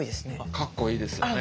かっこいいですよね。